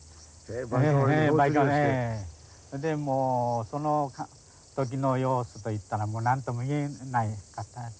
でもうその時の様子といったら何とも言えなかったですね。